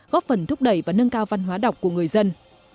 góp phần thúc đẩy và nâng cao văn hóa đọc của người dân